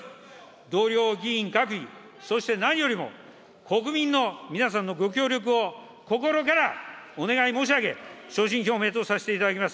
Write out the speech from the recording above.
同僚議員各位、そして何よりも国民の皆さんのご協力を心からお願い申し上げ、所信表明とさせていただきます。